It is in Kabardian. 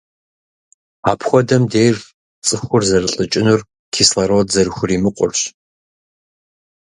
Апхуэдэм деж цӏыхур зэрылӏыкӏынур - кислород зэрыхуримыкъуращ.